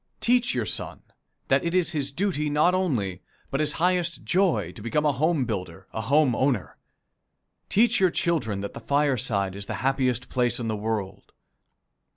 Teach your son that it is his duty not only, but his highest joy, to become a home builder, a home owner. Teach your children that the fireside is the happiest place in this world.